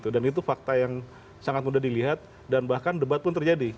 dan itu fakta yang sangat mudah dilihat dan bahkan debat pun terjadi